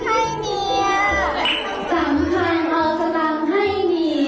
ขอบคุณมากครับสตางค์ให้เมีย